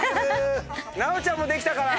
ナオちゃんもできたから。